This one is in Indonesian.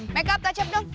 make up kacep dong